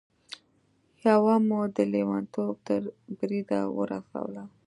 يوه مو د لېونتوب تر بريده ورسوله.